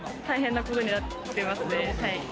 大変なことになってますね。